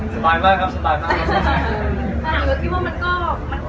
สไฟล์เรากันครับก็สไฟล์เรากัน